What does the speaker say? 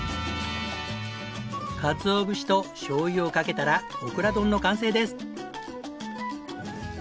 かつお節としょうゆをかけたらオクラ丼の完成です！